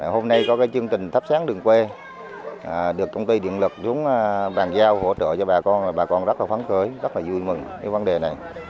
hôm nay có cái chương trình thắp sáng đường quê được công ty điện lực chúng bàn giao hỗ trợ cho bà con bà con rất là phấn khởi rất là vui mừng cái vấn đề này